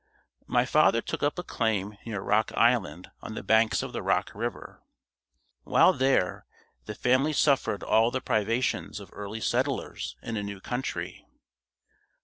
My father took up a claim near Rock Island on the banks of the Rock River. While there, the family suffered all the privations of early settlers in a new country.